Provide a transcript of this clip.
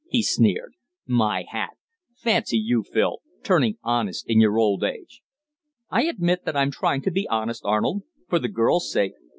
he sneered. "My hat! Fancy you, Phil, turning honest in your old age!" "I admit that I'm trying to be honest, Arnold for the girl's sake."